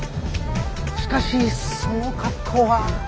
しかしその格好は。